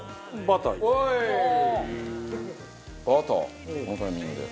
バターこのタイミングで。